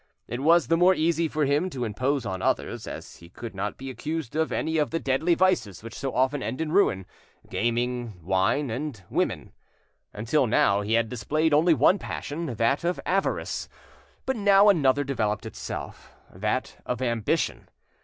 It was the more easy for him to impose on others, as he could not be accused of any of the deadly vices which so often end in ruin—gaming, wine, and women. Until now he had displayed only one passion, that of avarice, but now another developed itself, that of ambition.